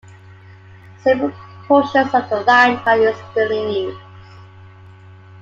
Several portions of the line are still in use.